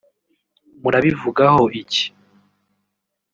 Murabivugaho iki